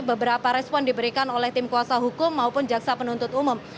beberapa respon diberikan oleh tim kuasa hukum maupun jaksa penuntut umum